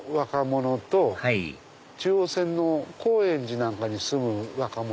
はい中央線の高円寺なんかに住む若者。